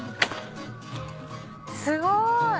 すごい。